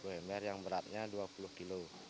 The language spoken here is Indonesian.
dua puluh hember yang beratnya dua puluh kilo